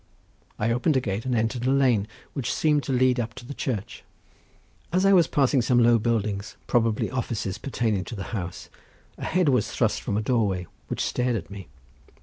I opened a gate, and entered a lane which seemed to lead up to the church. As I was passing some low buildings, probably offices pertaining to the house, a head was thrust from a doorway, which stared at me.